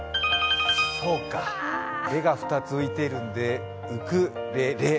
そうか、レが２つ浮いているのでウクレレ。